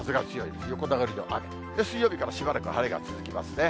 水曜日からしばらく晴れが続きますね。